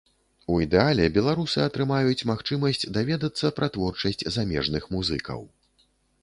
У ідэале беларусы атрымаюць магчымасць даведацца пра творчасць замежных музыкаў.